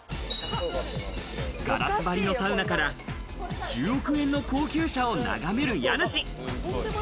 ガラス張りのサウナから１０億円の高級車を眺める家主。